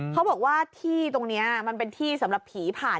เขาบอกว่าที่ตรงนี้มันเป็นที่สำหรับผีผ่าน